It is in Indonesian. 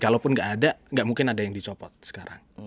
kalaupun gak ada gak mungkin ada yang dicopot sekarang